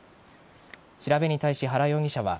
調べに対し、原容疑者は